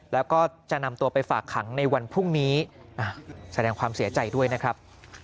แล้วก็จะนำตัวไปฝากขังในวันพรุ่งนี้แสดงความเสียใจด้วยนะครับ